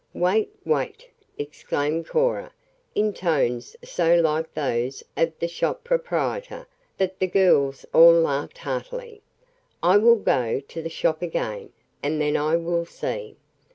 "Wait, wait!" exclaimed Cora, in tones so like those of the shop proprietor that the girls all laughed heartily. "I will go to the shop again, and then I will see.